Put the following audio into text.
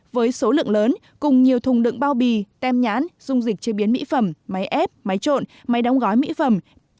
với số lượng lớn cùng nhiều thùng đựng bao bì tem nhãn dung dịch chế biến mỹ phẩm máy ép máy trộn máy đóng gói mỹ phẩm